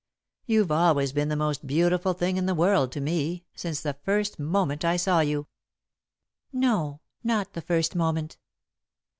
"You've always been the most beautiful thing in the world to me, since the first moment I saw you." "No, not the first moment."